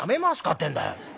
ってえんだよ。